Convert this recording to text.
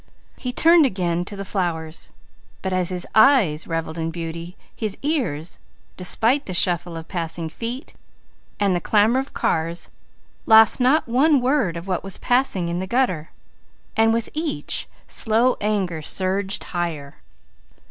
He turned again to the flowers, but as his eyes revelled in beauty, his ears, despite the shuffle of passing feet, and the clamour of cars, lost not one word of what was passing in the gutter, while with each, slow anger surged higher.